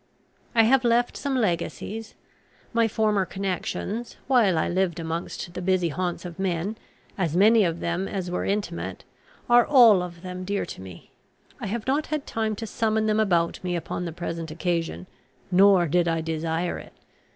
"I have left some legacies. My former connections, while I lived amidst the busy haunts of men, as many of them as were intimate, are all of them dear to me. I have not had time to summon them about me upon the present occasion, nor did I desire it.